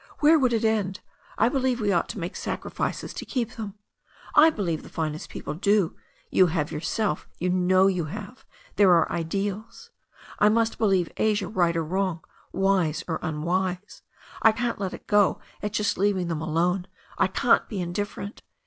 Where would we end? I believe we ought to make sacrifices to keep them. I believe the finest people do— you have your self, you know you have — ^there are ideals. I must believe Asia right or wrong, wise or unwise. I can't let it go at just leaving them alone — I can't be indifferent.